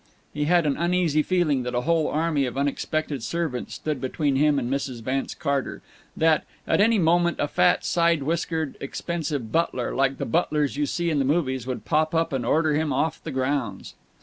He had an uneasy feeling that a whole army of unexpected servants stood between him and Mrs. Vance Carter; that, at any moment, a fat, side whiskered, expensive butler, like the butlers you see in the movies, would pop up and order him off the grounds.